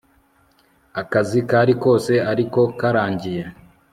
Akazi kari kose ariko karangiye